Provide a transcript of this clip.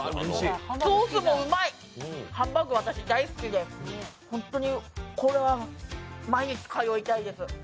ソースもうまい、ハンバーグ、私大好きで本当に、これは毎日通いたいです。